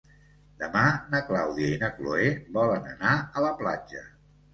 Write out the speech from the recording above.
Demà na Clàudia i na Cloè volen anar a la platja.